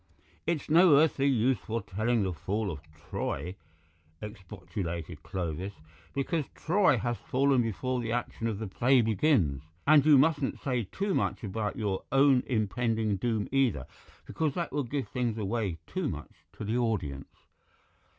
"It's no earthly use foretelling the fall of Troy," expostulated Clovis, "because Troy has fallen before the action of the play begins. And you mustn't say too much about your own impending doom either, because that will give things away too much to the audience."